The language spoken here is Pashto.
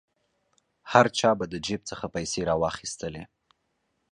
هر چا به د جیب څخه پیسې را واخیستلې.